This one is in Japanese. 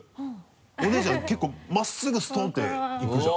お姉ちゃん結構真っすぐストンっていくじゃん。